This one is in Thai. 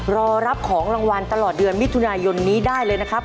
รอรับของรางวัลตลอดเดือนมิถุนายนนี้ได้เลยนะครับ